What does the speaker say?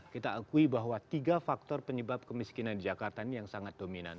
kita akui bahwa tiga faktor penyebab kemiskinan di jakarta ini yang sangat dominan